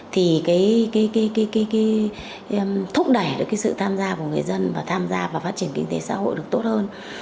thì thúc đẩy được cái sự tham gia của người dân và tham gia vào phát triển kinh tế xã hội được tốt hơn